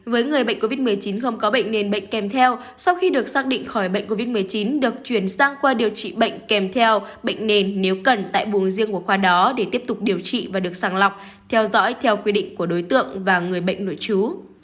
với người bệnh covid một mươi chín không có bệnh nền bệnh kèm theo sau khi được xác định khỏi bệnh covid một mươi chín được chuyển sang khoa điều trị bệnh kèm theo bệnh nền nếu cần tại buồng riêng của khoa đó để tiếp tục điều trị và được sàng lọc theo dõi theo quy định của đối tượng và người bệnh nội trú